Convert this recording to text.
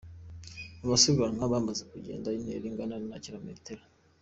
Abasiganwa bamaze kugenda intera ingana na kilometero .